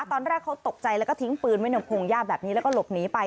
ตอนแรกเขาตกใจแล้วก็ทิ้งปืนไว้ในพงหญ้าแบบนี้แล้วก็หลบหนีไป